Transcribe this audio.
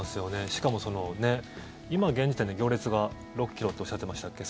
しかも、今現時点で行列が６ｋｍっておっしゃってましたっけ。